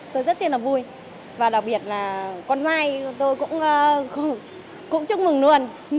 tôi rất tiên là vui và đặc biệt là con mai tôi cũng chúc mừng luôn